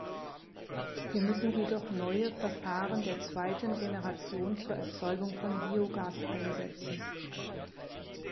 Wir müssen jedoch neue Verfahren der zweiten Generation zur Erzeugung von Biogas einsetzen.